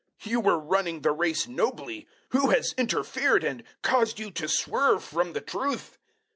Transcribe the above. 005:007 You were running the race nobly! Who has interfered and caused you to swerve from the truth?